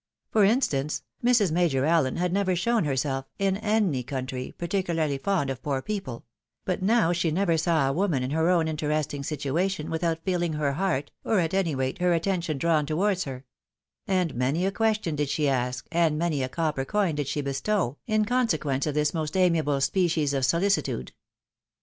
For instance, Mrs. Major Alien had never shown herself, in any country, particularly fond of poor people ; but now she never saw a woman in her own interesting situation, without feeKng her heart, or, at any rate, her attention drawn towards her ; and many a question did she ask, and many a copper coin did she bestow, in consequence of this most amiable species of solicitude.